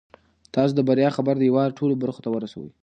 تاسو د بریا خبر د هیواد ټولو برخو ته ورسوئ.